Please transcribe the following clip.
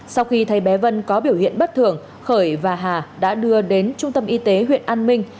sau khi thấy bé vân có biểu hiện bất thường khởi và hà đã đưa đến trung tâm y tế huyện an minh